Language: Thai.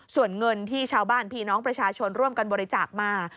ส่วนเงินที่ชาวบ้านพี่น้องประชาชนร่วมกันบริจาคมา